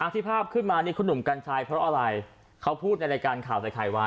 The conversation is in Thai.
ที่ภาพขึ้นมานี่คุณหนุ่มกัญชัยเพราะอะไรเขาพูดในรายการข่าวใส่ไข่ว่า